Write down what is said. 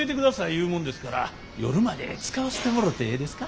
言うもんですから夜まで使わせてもろてええですか？